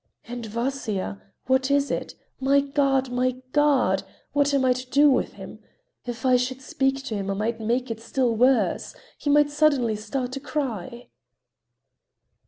"And Vasya! What is it? My God, my God! What am I to do with him? If I should speak to him I might make it still worse. He might suddenly start to cry."